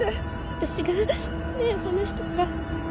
私が目を離したから